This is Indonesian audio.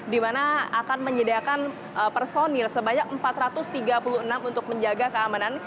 di mana akan menyediakan personil sebanyak empat ratus tiga puluh enam untuk menjaga keamanan